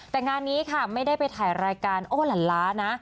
แต่งานนี้ค่ะไม่ได้ไปถ่ายรายการโอ้หลานล้านะ